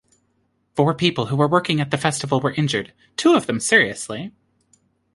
Four people who were working at the festival were injured, two of them seriously.